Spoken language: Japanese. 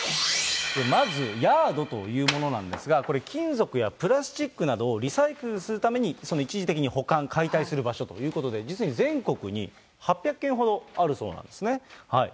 まず、ヤードというものなんですが、これ、金属やプラスチックなどをリサイクルするために、一時的に保管、解体する場所ということで、実に全国に８００件ほどあるそうなんですね。